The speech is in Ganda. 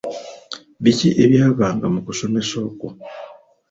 Biki ebyavanga mu kusomesa okwo?